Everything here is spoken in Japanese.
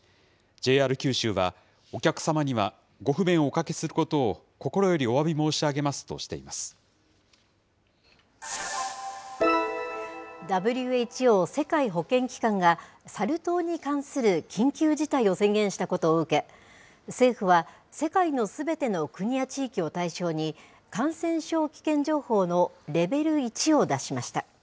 ＪＲ九州は、お客様にはご不便をおかけすることを心よりおわび申し上げますとＷＨＯ・世界保健機関が、サル痘に関する緊急事態を宣言したことを受け、政府は、世界のすべての国や地域を対象に、感染症危険情報のレベル１を出しました。